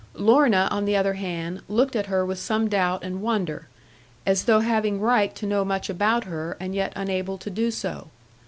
Lorna, on the other hand, looked at her with some doubt and wonder, as though having right to know much about her, and yet unable to do so.